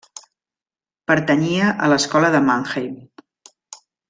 Pertanyia a l'Escola de Mannheim.